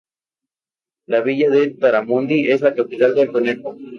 La villa de Taramundi es la capital del concejo.